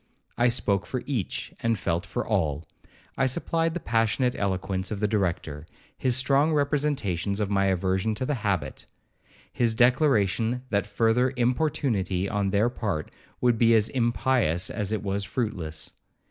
I spoke for each, and felt for all. I supplied the passionate eloquence of the Director, his strong representations of my aversion to the habit, his declaration that further importunity on their part would be as impious as it was fruitless.